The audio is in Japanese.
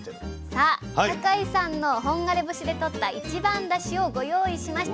さあ坂井さんの本枯節でとった一番だしをご用意しました。